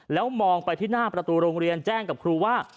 แล้วมองไปที่หน้าประตูโรงเรียนแจ้งกับครูว่า